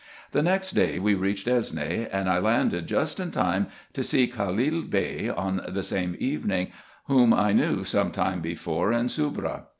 The next day we reached Esne, and I landed just in time to see Khalil Bey on the same evening, whom I knew some time before in Soubra.